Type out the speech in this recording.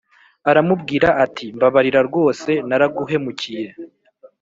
Aramubwira ati :Mbabarira rwose naraguhemukiye,